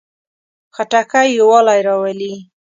خټکی یووالی راولي.